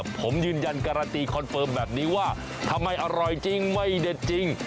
ผมยืนยันการันตีคอนเฟิร์มแบบนี้ว่าทำไมอร่อยจริงไม่เด็ดจริง